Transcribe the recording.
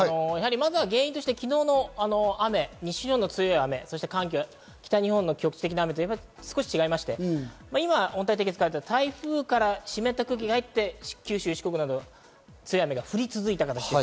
まずは原因として昨日の雨、西日本の強い雨と北日本の局地的な雨は少し違いまして、今は温帯低気圧に変わりましたから、台風から湿った空気が入って、九州四国などに強い雨が降り続いた。